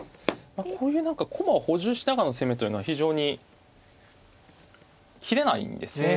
こういう何か駒を補充しながらの攻めというのは非常に切れないんですね。